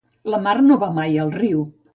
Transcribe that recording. La mar no va mai al riu.